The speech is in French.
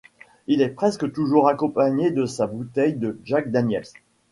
Il est presque toujours accompagné de sa bouteille de Jack Daniel's.